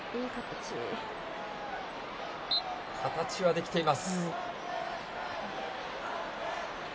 形はできています。